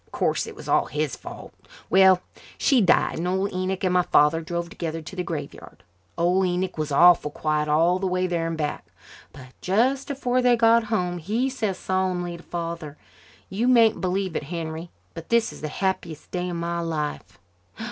O' course it was all his fault. Well, she died, and old Enoch and my father drove together to the graveyard. Old Enoch was awful quiet all the way there and back, but just afore they got home, he says solemnly to Father: 'You mayn't believe it, Henry, but this is the happiest day of my life.'